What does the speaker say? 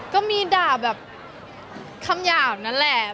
ก็มีด่าแบบคำหยาบนั่นแหละ